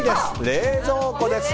冷蔵庫です。